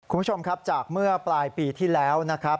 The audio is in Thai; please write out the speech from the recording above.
คุณผู้ชมครับจากเมื่อปลายปีที่แล้วนะครับ